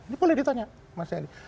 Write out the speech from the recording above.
ini boleh ditanya mas eli